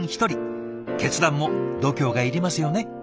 決断も度胸がいりますよね。